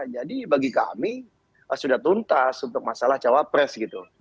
jadi bagi kami sudah tuntas untuk masalah cawapres